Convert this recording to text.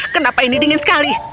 kenapa ini dingin sekali